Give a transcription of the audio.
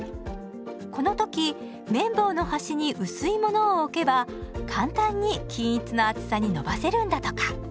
この時めん棒の端に薄いものを置けば簡単に均一の厚さに伸ばせるんだとか。